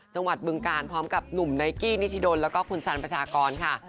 บึงการพร้อมกับหนุ่มไนกี้นิธิดลแล้วก็คุณสันประชากรค่ะ